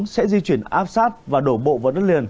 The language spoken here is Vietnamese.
sẽ di chuyển áp sát và đổ bộ vào đất liền